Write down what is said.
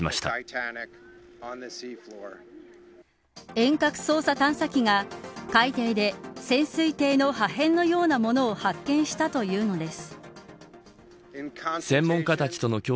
遠隔操作探査機が海底で潜水艇の破片のようなものを発見したというのです。